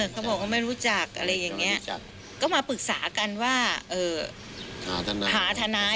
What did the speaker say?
เขาบอกว่าไม่รู้จักอะไรอย่างนี้ก็มาปรึกษากันว่าหาทนาย